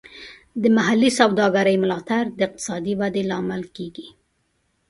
د محلي سوداګرۍ ملاتړ د اقتصادي ودې لامل کیږي.